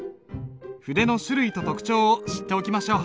筆の種類と特徴を知っておきましょう。